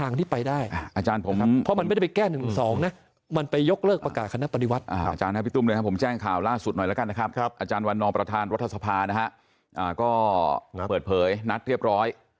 อาจารย์วันนอประธานรัฐสภานะฮะก็เปิดเผยนัดเรียบร้อย